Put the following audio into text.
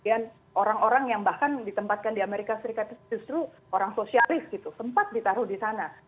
dan orang orang yang bahkan ditempatkan di amerika serikat justru orang sosialis gitu sempat ditaruh di sana